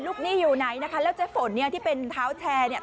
หนี้อยู่ไหนนะคะแล้วเจ๊ฝนเนี่ยที่เป็นเท้าแชร์เนี่ย